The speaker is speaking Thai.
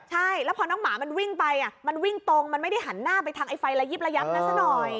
ใช่แล้วพอน้องหมามันวิ่งไปมันวิ่งตรงมันไม่ได้หันหน้าไปทางไอไฟระยิบระยับนั้นซะหน่อย